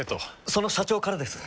その社長からです。